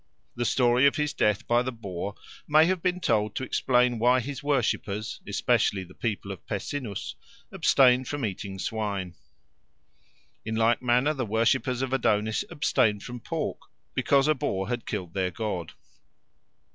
The story of his death by the boar may have been told to explain why his worshippers, especially the people of Pessinus, abstained from eating swine. In like manner the worshippers of Adonis abstained from pork, because a boar had killed their god.